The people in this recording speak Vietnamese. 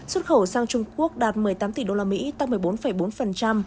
xuất khẩu sang trung quốc đạt một mươi tám tỷ đô la mỹ tăng một mươi bốn bốn